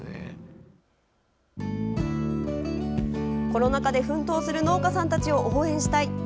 コロナ禍で奮闘する農家さんたちを応援したい。